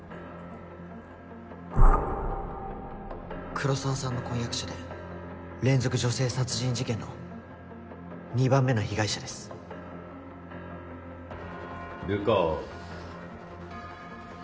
黒澤さんの婚約者で連続女性殺人事件の２番目の被害者です流川は？